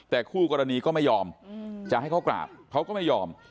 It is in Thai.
แต่คู่กรณีก็ไม่ยอมจะให้เขากราบเขาก็ไม่ยอม